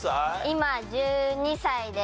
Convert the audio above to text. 今１２歳で。